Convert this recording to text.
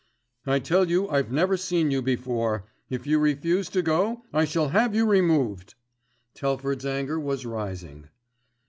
"I tell you I've never seen you before. If you refuse to go I shall have you removed." Telford's anger was rising.